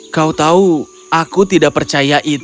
kau tahu aku tidak percaya itu